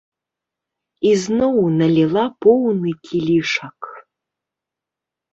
Ізноў наліла поўны кілішак.